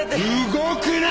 動くな！！